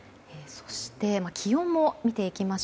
そして、気温も見ていきます。